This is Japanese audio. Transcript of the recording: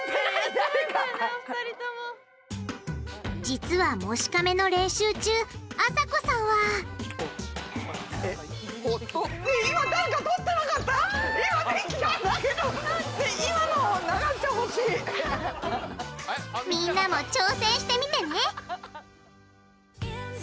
実は「もしかめ」の練習中あさこさんはみんなも挑戦してみてね！